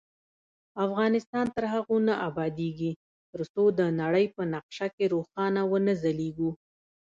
افغانستان تر هغو نه ابادیږي، ترڅو د نړۍ په نقشه کې روښانه ونه ځلیږو.